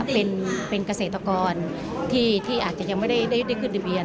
เป็นเกษตรกรที่อาจจะยังไม่ได้ขึ้นทะเบียน